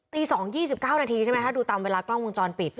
ตี๒๒๙นาทีใช่ไหมคะดูตามเวลากล้องวงจรปิด